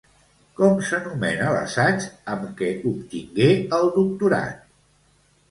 Com s'anomena l'assaig amb què obtingué el doctorat?